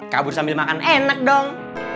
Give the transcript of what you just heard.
kabur sambil makan enak dong